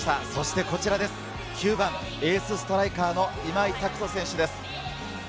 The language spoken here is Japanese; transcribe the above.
そしてこちら、９番のエースストライカーの今井拓人選手です。